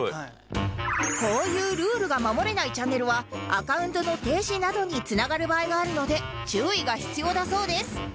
こういうルールが守れないチャンネルはアカウントの停止などに繋がる場合があるので注意が必要だそうです。